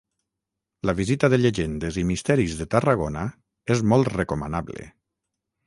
La visita de llegendes i misteris de Tarragona és molt recomanable.